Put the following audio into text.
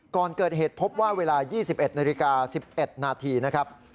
ก่อนเกิดเหตุพบว่าเวลา๒๑นาฬิกา๑๑นาทีนะครับ